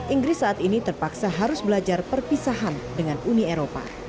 inggris saat ini terpaksa harus belajar perpisahan dengan uni eropa